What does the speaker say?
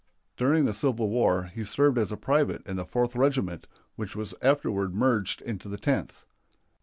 During the Civil War he served as a private in the Fourth Regiment, which was afterward merged into the Tenth.